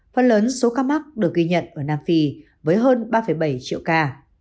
phần lớn số ca mắc được ghi nhận ở nam phi với hơn ba bảy triệu ca